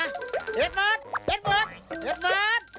เอ็ดเวิร์ดเอ็ดเวิร์ดเอ็ดเวิร์ด